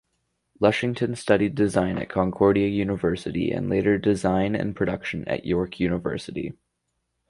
Lushington studied design at Concordia University and later design and production at York University.